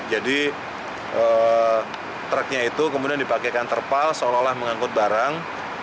jadi truknya itu kemudian dipakaikan terpal seolah olah mengangkut barang